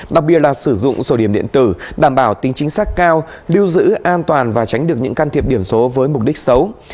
đặc biệt là sử dụng sổ điểm điện tử đảm bảo tính chính xác cao lưu giữ an toàn và tránh được những can thiệp điểm số với mục đích xấu